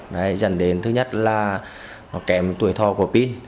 đấy dẫn đến thứ nhất là kèm tuổi thọ của pin